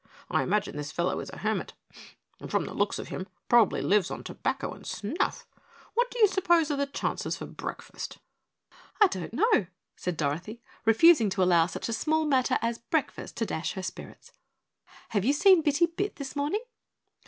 I imagine this fellow is a hermit and from the looks of him probably lives on tobacco and snuff. What do you suppose are the chances for breakfast?" "I don't know," said Dorothy, refusing to allow such a small matter as breakfast to dash her spirits. "Have you seen Bitty Bit this morning?"